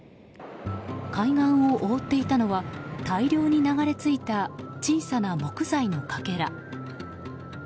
海岸を覆っていたのは大量に流れ着いた小さな木材の欠片。